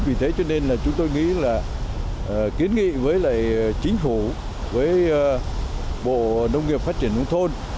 vì thế cho nên là chúng tôi nghĩ là kiến nghị với lại chính phủ với bộ nông nghiệp phát triển nông thôn